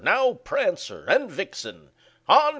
now, Prancer and Vixen! On!